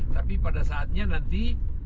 tapi pada saatnya nanti